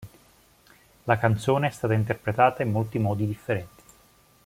La canzone è stata interpretata in molti modi differenti.